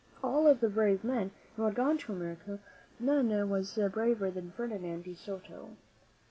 Of all the brave men who had gone to America, none was braver than Ferdinand de Soto.